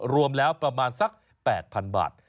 รวมแล้วประมาณสัก๘๐๐๐บาท